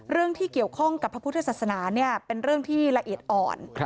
เรื่องที่เกี่ยวข้องกับพระพุทธศาสนาเป็นเรื่องที่ละเอียดอ่อน